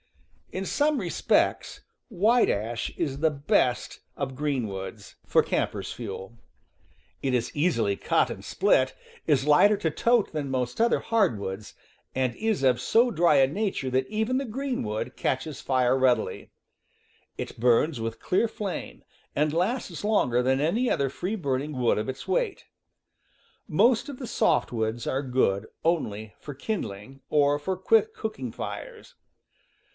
In some respects white ash is the best of green woods 86 CAMPING AND WOODCRAFT for campers' fuel. It is easily cut and split, is lighter to tote than most other hardwoods, and is of so dry a nature that even the green wood catches fire readily. It burns with clear flame, and lasts longer than any other free burning wood of its weight. Most of the softwoods are good only for kindling, or for quick cooking fires.